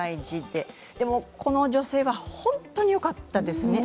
でも、この女性は本当によかったですね。